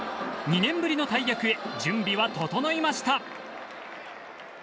２年ぶりの大役へ準備は整いました。